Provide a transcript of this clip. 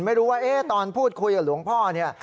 ไม่รู้ว่าตอนพูดคุยกับหลวงพ่อเนี่ย